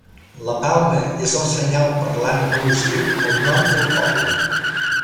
La palma és el senyal parlant al·lusiu al nom del poble.